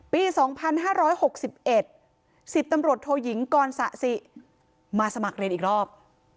ปี๒๕๖๑๑๐ตำรวจโทยิงกรสะสิมาสมัครเรียนอีกรอบ